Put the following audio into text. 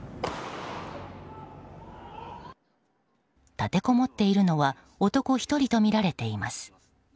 立てこもっているのは男１人とみられています。